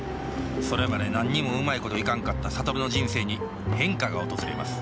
それまで何にもうまいこといかんかった諭の人生に変化が訪れます